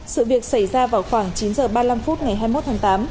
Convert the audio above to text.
sự việc xảy ra vào khoảng chín h ba mươi năm phút ngày hai mươi một tháng tám